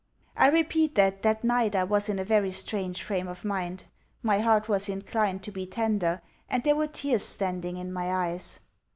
I repeat that that night I was in a very strange frame of mind. My heart was inclined to be tender, and there were tears standing in my eyes.